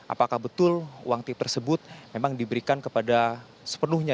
apakah betul uang tip tersebut memang diberikan sepenuhnya